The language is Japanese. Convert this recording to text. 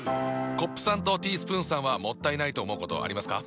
コップさんとティースプーンさんはもったいないと思うことありますか？